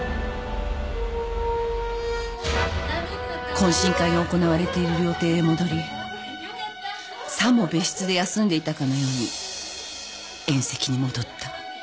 懇親会が行われている料亭へ戻りさも別室で休んでいたかのように宴席に戻った。